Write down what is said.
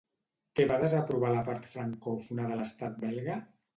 Què va desaprovar la part francòfona de l'estat belga?